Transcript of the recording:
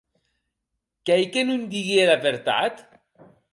Qu'ei que non digui era vertat?